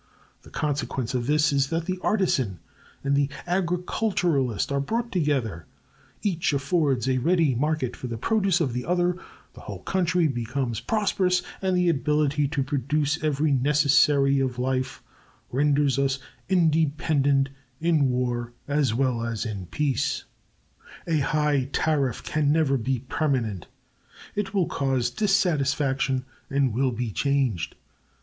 The consequence of this is that the artisan and the agriculturist are brought together, each affords a ready market for the produce of the other, the whole country becomes prosperous, and the ability to produce every necessary of life renders us independent in war as well as in peace. A high tariff can never be permanent. It will cause dissatisfaction, and will be changed.